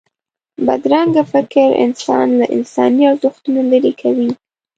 بدرنګه فکر انسان له انساني ارزښتونو لرې کوي